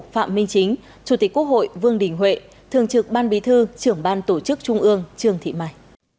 phạm minh chính chủ tịch quốc hội vương đình huệ thường trực ban bí thư trưởng ban tổ chức trung ương trương thị mai